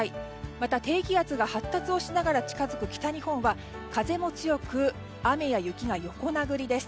また低気圧が発達をしながら近づく北日本は風も強く雨や雪が横殴りです。